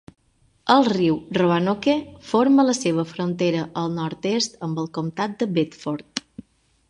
El riu Roanoke forma la seva frontera al nord-est amb el comtat de Bedford.